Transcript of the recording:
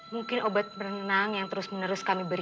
mungkin obat berenang yang terus menerus kami beri